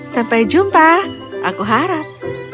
sampai jumpa aku harap